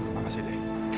oke makasih de